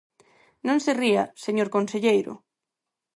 Non se ría, señor conselleiro.